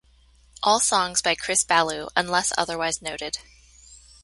All songs by Chris Ballew unless otherwise noted.